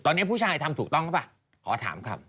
ตอนนี้ผู้ชายทำถูกต้องหรือเปล่าขอถามครับ